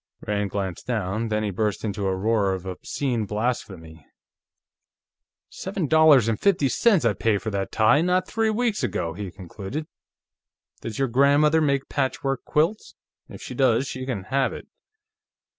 Rand glanced down. Then he burst into a roar of obscene blasphemy. "Seven dollars and fifty cents I paid for that tie, not three weeks ago," he concluded. "Does your grandmother make patchwork quilts? If she does, she can have it."